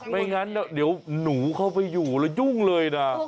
ไม่งั้นเดี๋ยวหนูเข้าไปอยู่แล้วยุ่งเลยนะ